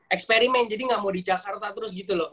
eksperimen jadi nggak mau di jakarta terus gitu loh